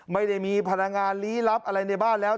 ไม่ได้มีพลังงานลี้ลับอะไรในบ้านแล้ว